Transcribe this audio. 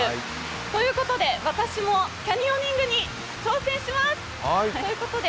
ということで私もキャニオニングに挑戦します。